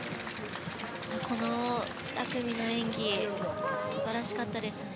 この２組の演技素晴らしかったですね。